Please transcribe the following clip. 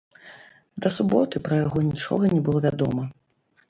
Да суботы пра яго нічога не было вядома.